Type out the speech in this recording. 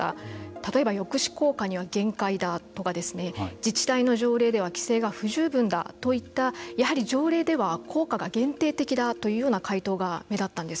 例えば、抑止効果には限界だとか自治体の条例では規制が不十分だといったやはり条例では効果が限定的だというような回答が目立ったんです。